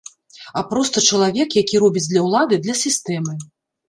А проста чалавек, які робіць для ўлады, для сістэмы.